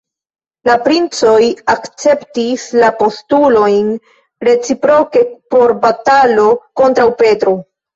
La princoj akceptis la postulojn reciproke por batalo kontraŭ Petro.